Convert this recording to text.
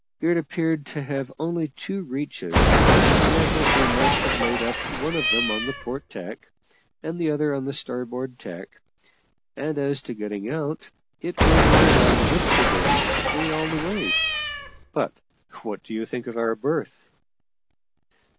It appeared to have only two reaches, and I think we might have laid up one of them on the port tack, and the other on the starboard tack; and as to getting out, it will be a run with the wind free all the way. But what do you think of our berth?"